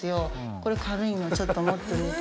これ軽いのちょっと持ってみて。